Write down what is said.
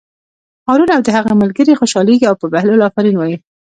هارون او د هغه ملګري خوشحالېږي او په بهلول آفرین وایي.